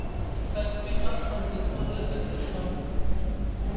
پر سپین آس باندي وو سپور لکه سلطان وو